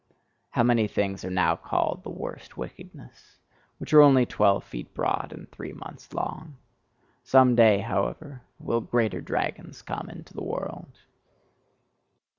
How many things are now called the worst wickedness, which are only twelve feet broad and three months long! Some day, however, will greater dragons come into the world.